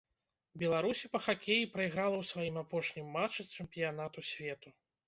Беларусі па хакеі прайграла ў сваім апошнім матчы чэмпіянату свету.